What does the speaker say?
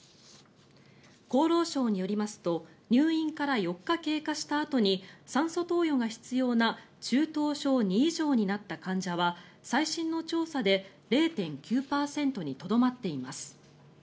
厚労省によりますと入院から４日経過したあとに酸素投与が必要な中等症２以上になった患者は最新の調査で０．９％にとどまっています。